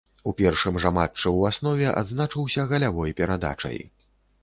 У першым жа матчы ў аснове адзначыўся галявой перадачай.